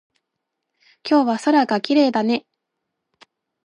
今日は空がきれいだね。